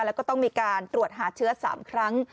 แล้วก็ต้องมีการตรวจหาเชื้อ๓ครั้ง